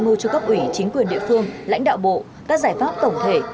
mưu cho cấp ủy chính quyền địa phương lãnh đạo bộ các giải pháp tổng thể